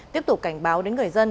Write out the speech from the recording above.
tiếp tục cảnh báo đến người dân